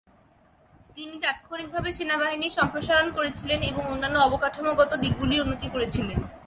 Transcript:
তিনি তাৎক্ষণিকভাবে সেনাবাহিনীর সম্প্রসারণ করেছিলেন এবং অন্যান্য অবকাঠামোগত দিকগুলির উন্নতি করেছিলেন।